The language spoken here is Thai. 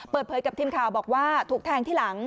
เปิดเผยกับทีมข่าวบอกว่าถูกแทงที่หลัง